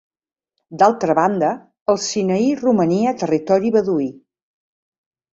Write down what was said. D'altra banda el Sinaí romania territori beduí.